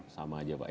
sama saja pak ya